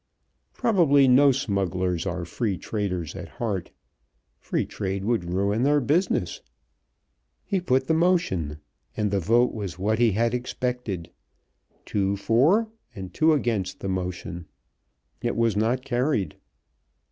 Probably no smugglers are free traders at heart free trade would ruin their business. He put the motion, and the vote was what he had expected two for and two against the motion. It was not carried.